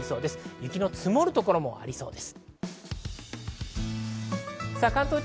雪の積もる所もありそうです。